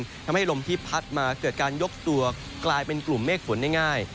ทำให้ลมที่พัดมาเกิดการยกตัวกลายเป็นกลุ่มเมฆฝนได้ง่าย